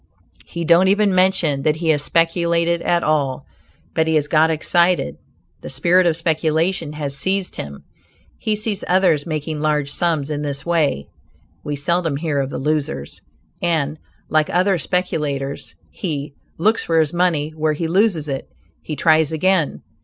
He don't even mention that he has speculated at all. But he has got excited; the spirit of speculation has seized him; he sees others making large sums in this way (we seldom hear of the losers), and, like other speculators, he "looks for his money where he loses it." He tries again.